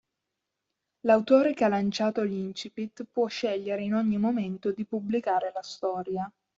L'autore che ha lanciato l'Incipit può scegliere in ogni momento di pubblicare la storia.